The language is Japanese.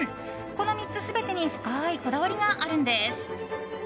この３つ全てに深いこだわりがあるんです。